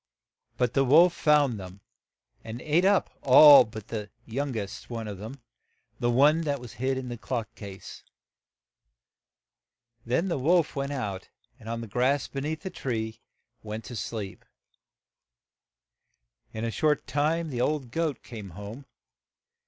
But the wolf found them, and ate up all but the young est one of them, — the one that was hid in the clock case. Then the wolf went out, and on the grass be neath and went to sleep. In a short time the old goat came home.